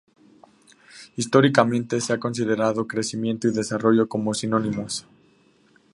Históricamente se ha considerado "crecimiento" y "desarrollo" como sinónimos.